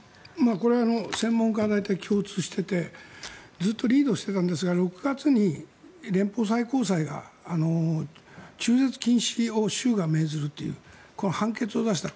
これは専門家の間で大体共通していてずっとリードしていたんですが６月に連邦最高裁が中絶禁止を州が命ずるというこの判決を出した。